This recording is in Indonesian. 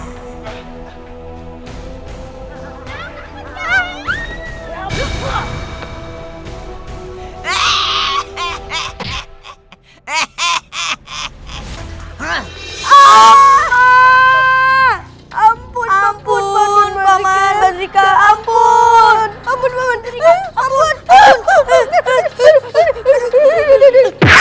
ampun ampun ampun ampun